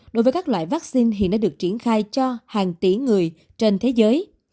đối với các loại vaccine hiện đã được triển khai cho hàng tỷ người trên thế giới